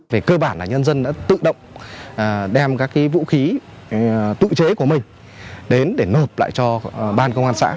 về cơ bản là nhân dân đã tự động đem các vũ khí tự chế của mình đến để nộp lại cho ban công an xã